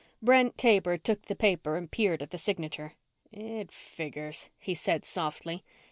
Brent Taber took the paper and peered at the signature. "It figures," he said softly.